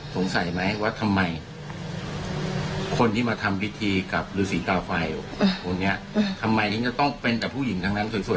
ไปทำพิธีอะไรสองต่อสองด้วย